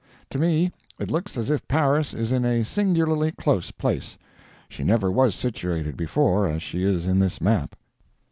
To me it looks as if Paris is in a singularly close place. She never was situated before as she is in this map.